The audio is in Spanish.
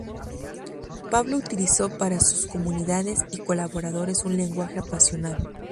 Pablo utilizó para con sus comunidades y colaboradores un lenguaje apasionado.